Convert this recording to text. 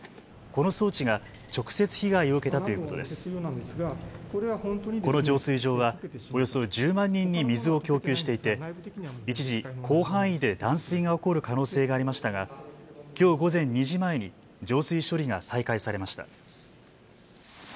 この浄水場はおよそ１０万人に水を供給していて一時、広範囲で断水が起こる可能性がありましたがきょう午前２時前に浄水処理が再開されました。